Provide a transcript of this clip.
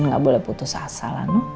enggak boleh putus asa lah noh